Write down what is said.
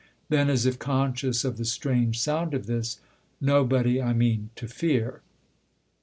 Then as if conscious of the strange sound of this :" Nobody, I mean, to fear."